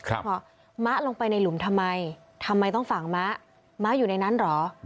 เพราะมะลงไปในหลุมทำไมทำไมต้องฝังม้าม้าอยู่ในนั้นเหรอ